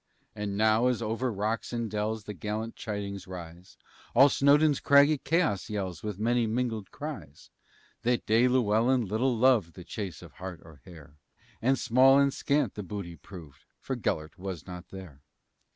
And now, as over rocks and dells, The gallant chidings rise, All Snowdon's craggy chaos yells With many mingled cries. That day Llewellyn little loved The chase of hart or hare, And small and scant the booty proved, For Gelert was not there.